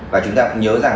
và chúng ta cũng nhớ rằng